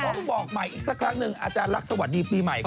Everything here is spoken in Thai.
ต้องบอกใหม่อีกสักครั้งนึงอลักษณ์สวัสดีปีใหม่ครับ